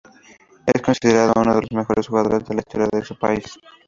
Es considerado uno de los mejores jugadores de la historia de su país.